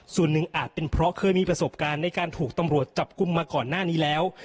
ส่วนหนึ่งอาจเป็นเพราะเคยมีประสบการณ์ในการถูกตำรวจจับกลุ่มมาก่อนหน้านี้แล้ว